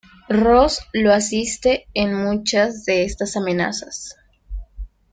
Ross lo asiste en muchas de estas amenazas.